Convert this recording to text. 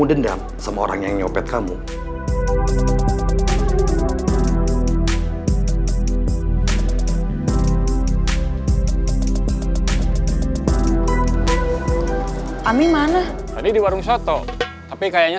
enggak bilang terima kasih mang